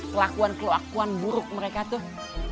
kelakuan kelakuan buruk mereka tuh